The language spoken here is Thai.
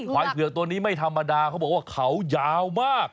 เผือกตัวนี้ไม่ธรรมดาเขาบอกว่าเขายาวมาก